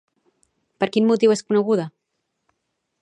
Per quin motiu és coneguda?